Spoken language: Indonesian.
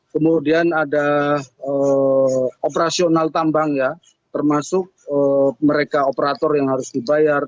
kemudian ada operasional tambang ya termasuk mereka operator yang harus dibayar